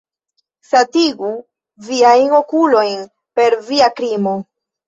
Satigu viajn okulojn per via krimo.